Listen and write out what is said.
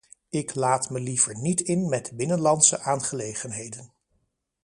Ik laat me liever niet in met binnenlandse aangelegenheden.